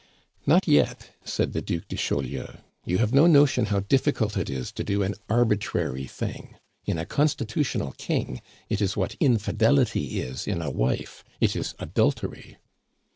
"Not yet," said the Duc de Chaulieu. "You have no notion how difficult it is to do an arbitrary thing. In a constitutional king it is what infidelity is in a wife: it is adultery."